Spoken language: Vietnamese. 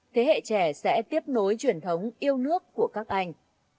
thế hệ trẻ sẽ tiếp nối truyền thống yêu nước của các anh